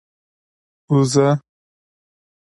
اوزه؟